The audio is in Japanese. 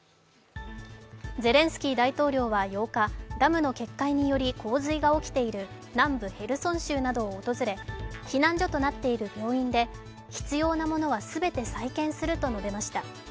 ゼレンスキー大統領は８日、ダムの決壊により洪水が起きている南部ヘルソン州などを訪れ避難所となっている病院で、必要なものは全て再建すると述べました。